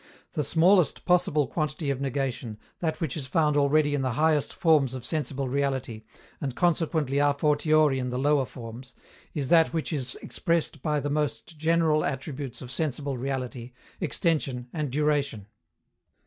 The smallest possible quantity of negation, that which is found already in the highest forms of sensible reality, and consequently a fortiori in the lower forms, is that which is expressed by the most general attributes of sensible reality, extension and duration.